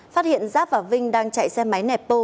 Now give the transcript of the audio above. phát hiện giáp và vinh đang chạy xe máy nẹp bô